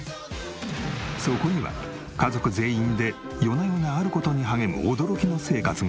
そこには家族全員で夜な夜なある事に励む驚きの生活が。